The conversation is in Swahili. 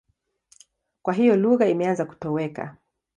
Kwa hiyo lugha imeanza kutoweka.